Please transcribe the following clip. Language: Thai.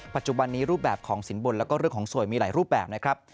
ปัจจุบันนี้รูปแบบของสินบนแล้วก็เรื่องของสวยมีหลายรูปแบบนะครับ